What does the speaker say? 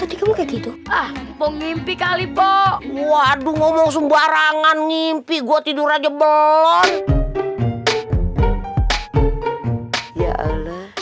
deng suruh ngimpi kah bo waduh ngomong sembarangan ngimpi gua tidur aja belon ya anna